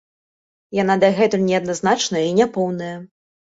Яна дагэтуль неадназначная і няпоўная.